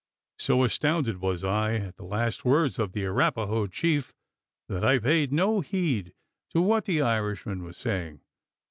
So astounded was I at the last words of the Arapaho chief, that I paid no heed to what the Irishman was saying.